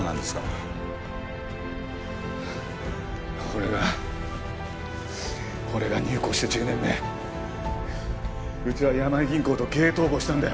俺が俺が入行して１０年目うちは山井銀行と経営統合したんだよ。